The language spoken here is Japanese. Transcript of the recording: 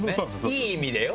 いい意味でよ